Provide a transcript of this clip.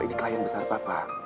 ini klien besar papa